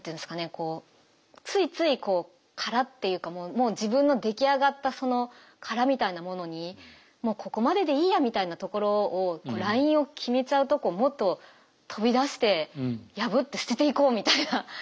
こうついついこう殻っていうかもう自分の出来上がったその殻みたいなものにもうここまででいいやみたいなところをラインを決めちゃうとこをもっと飛び出して破って捨てていこうみたいな。